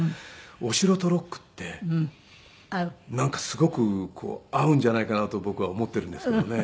お城とロックってなんかすごく合うんじゃないかなと僕は思っているんですけどね。